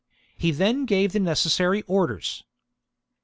He then gave the necessary orders.